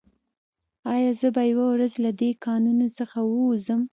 ایا زه به یوه ورځ له دې کانونو څخه ووځم